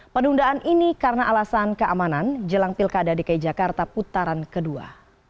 penundaan ini karena alasan keamanan jelang pilkada dki jakarta putaran kedua